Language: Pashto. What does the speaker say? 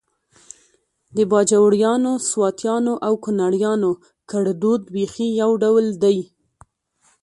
د باجوړیانو، سواتیانو او کونړیانو ګړدود بیخي يو ډول دی